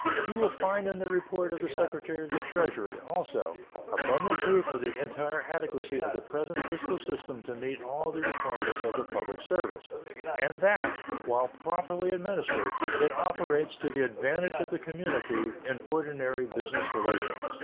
You will find in the report of the Secretary of the Treasury, also, abundant proof of the entire adequacy of the present fiscal system to meet all the requirements of the public service, and that, while properly administered, it operates to the advantage of the community in ordinary business relations.